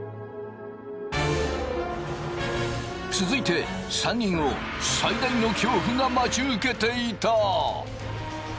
続いて３人を最大の恐怖が待ち受けていた。